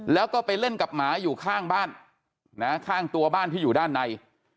แล้วก็ไปเล่นกับหมาอยู่ข้างบ้านนะข้างตัวบ้านที่อยู่ด้านใน